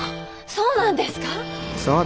そうなんですか？